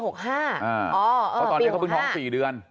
เพราะตอนนี้เขาเพิ่งท้อง๔เดือน